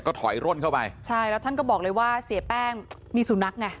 ถอยร่นเข้าไปใช่แล้วท่านก็บอกเลยว่าเสียแป้งมีสุนัขไง